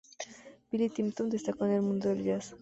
Billy Tipton destacó en el mundo de jazz.